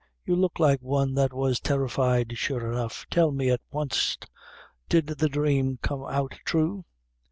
you look like one that was terrified, sure enough. Tell me, at wanst, did the dhrame come out thrue?"